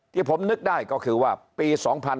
ที่ผมนึกได้ก็คือว่าปี๒๕๕๙